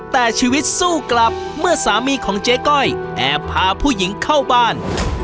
แต่ชีวิตสู้กลับเมื่อสามีของเจ๊ก้อยแอบพาผู้หญิงเข้าบ้าน